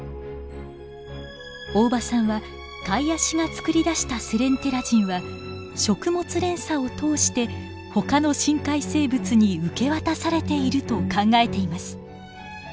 大場さんはカイアシがつくり出したセレンテラジンは食物連鎖を通してほかの深海生物に受け渡されていると考えています。